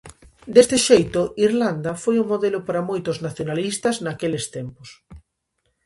Deste xeito, Irlanda foi o modelo para moitos nacionalistas naqueles tempos.